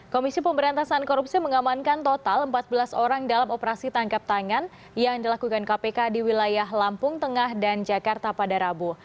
komisi pemberantasan korupsi mengamankan total empat belas orang dalam operasi tangkap tangan yang dilakukan kpk di wilayah lampung tengah dan jakarta pada rabu